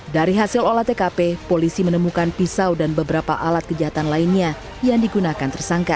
dari hasil olah tkp polisi menemukan pisau dan beberapa alat kejahatan lainnya yang digunakan tersangka